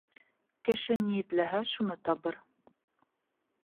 Кеше ни эҙләһә, шуны табыр.